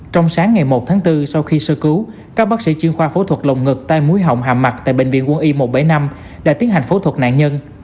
trong sáng ngày một tháng bốn sau khi sơ cứu các bác sĩ chuyên khoa phẫu thuật lồng ngực tai mũi họng hàm mặt tại bệnh viện quân y một trăm bảy mươi năm đã tiến hành phẫu thuật nạn nhân